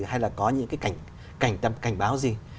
hay là có những cái cảnh báo gì